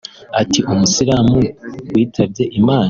Ati “Umusilamu witwabye Imana